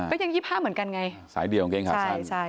ก็ยังยี่ห้าเหมือนกันไงสายเดี่ยวอังเกงขาสั้นใช่ใช่